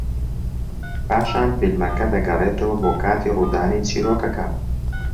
پاشان فیلمەکە دەگەڕێتەوە بۆ کاتی ڕوودانی چیرۆکەکە